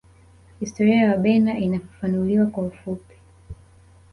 Historia ya Wabena inafafanuliwa kwa ufupi